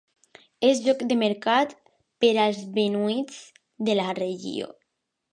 És lloc de mercat per als beduïns de la regió.